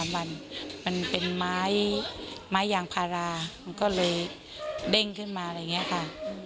มันเป็นไม้ยางพารามันก็เลยเด้งขึ้นมาอะไรอย่างนี้ค่ะ